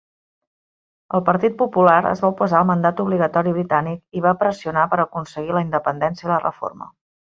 El partit popular es va oposar al mandat obligatori britànic i va pressionar per aconseguir la independència i la reforma.